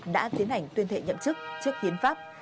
đã tiến hành tuyên thệ nhậm chức trước hiến pháp